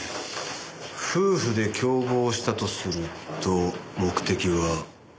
夫婦で共謀したとすると目的は？